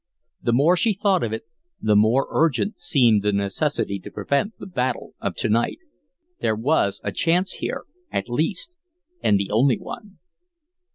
The more she thought of it, the more urgent seemed the necessity to prevent the battle of to night. There was a chance here, at least, and the only one.